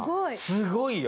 すごいよ。